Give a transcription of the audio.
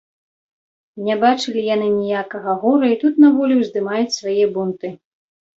Не бачылі яны ніякага гора і тут, на волі, уздымаюць свае бунты.